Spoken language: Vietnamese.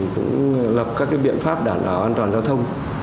cũng lập các biện pháp đảm bảo an toàn giao thông